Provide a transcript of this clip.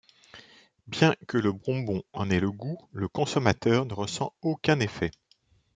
Bien que le bonbon en ait le goût, le consommateur ne ressent aucun effet.